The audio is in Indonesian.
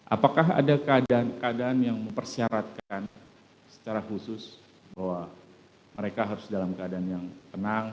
apakah ada keadaan keadaan yang mempersyaratkan secara khusus bahwa mereka harus dalam keadaan yang tenang